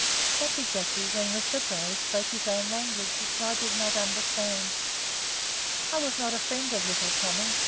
"Jacky Jacky, when with the dray, spoke his own language which I did not understand. I was not a friend of Little Tommy.